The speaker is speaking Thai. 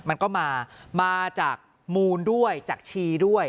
มันก็มามาจากมูลด้วยจากชีด้วย